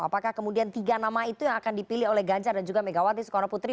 apakah kemudian tiga nama itu yang akan dipilih oleh ganjar dan juga megawati soekarno putri